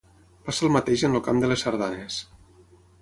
Passa el mateix en el camp de les sardanes.